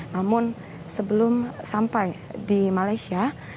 namun sebelum sampai di malaysia